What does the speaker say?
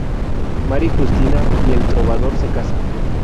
Mari-Justina y el trovador se casan.